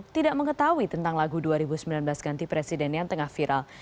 tidak mengetahui tentang lagu dua ribu sembilan belas ganti presiden yang tengah viral